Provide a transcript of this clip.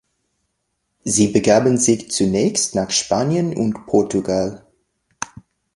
Sie begaben sich zunächst nach Spanien und Portugal.